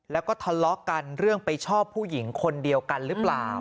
แล้วก็ทะเลาะกันเรื่องไปชอบผู้หญิงคนเดียวกันหรือเปล่า